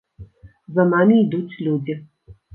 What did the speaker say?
За намі ідуць людзі.